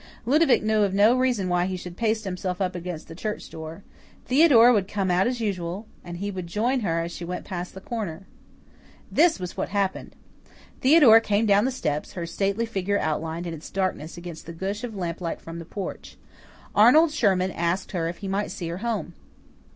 Ludovic knew of no reason why he should paste himself up against the church door. Theodora would come out as usual, and he would join her as she went past the corner. This was what happened, Theodora came down the steps, her stately figure outlined in its darkness against the gush of lamplight from the porch. Arnold Sherman asked her if he might see her home.